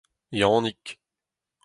Yannig